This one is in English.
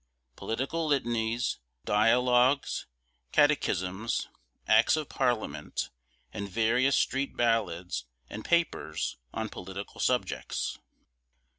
POLITICAL LITANIES, DIALOGUES, CATECHISMS, ACTS OF PARLIAMENT, AND VARIOUS STREET BALLADS & PAPERS ON POLITICAL SUBJECTS.